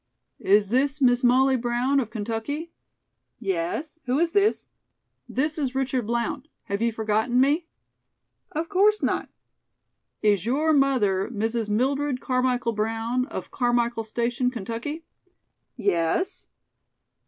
"Is this Miss Molly Brown of Kentucky?" "Yes. Who is this?" "This is Richard Blount. Have you forgotten me?" "Of course not." "Is your mother Mrs. Mildred Carmichael Brown, of Carmichael Station, Kentucky?" "Yes."